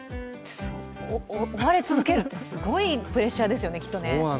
追われ続けるってすごいプレッシャーですよね